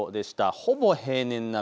ほぼ平年並み。